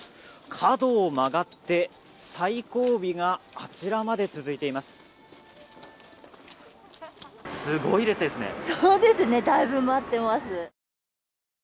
角を曲がって最後尾があちらまで続いています。